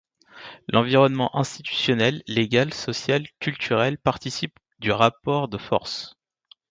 L'environnement institutionnel, légal, social, culturel participe du rapport de forces.